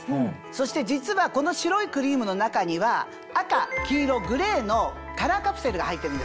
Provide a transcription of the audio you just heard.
そして実はこの白いクリームの中には赤黄色グレーのカラーカプセルが入ってるんですね。